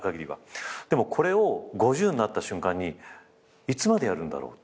でもこれを５０になった瞬間にいつまでやるんだろうって。